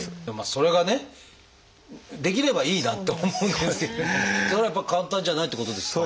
それがねできればいいなって思うんですけれどもそれはやっぱ簡単じゃないってことですか？